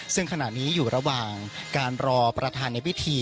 ซึ่งขณะนี้อยู่ระหว่างการรอประธานในพิธี